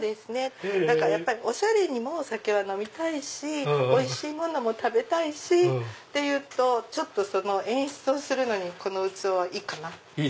やっぱりおしゃれにもお酒は飲みたいしおいしいものも食べたいしっていうとその演出をするのにこの器はいいかな。